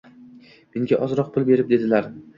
Menga ozroq pul berib dedilar.